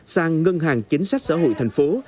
sang ngân hàng chính sách xã hội thành phố